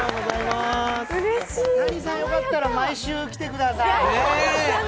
Ｔａｎｉさん、よかったら毎週来てください。